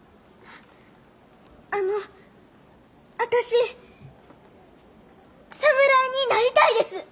あの私侍になりたいです！